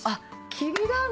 きびだんご！